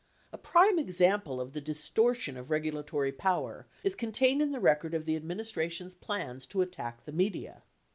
A prime example of the distortion of regulatory power is contained in the record of the administration's plans to attack the media.